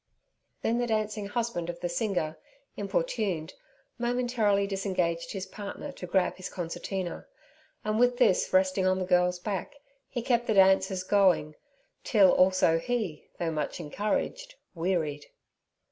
Then the dancing husband of the singer, importuned, momentarily disengaged his partner to grab his concertina, and with this resting on the girl's back, he kept the dancers going, till also he, though much encouraged, wearied.